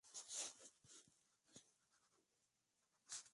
Fue grabado por Dani Sevillano en los estudios Eclipse.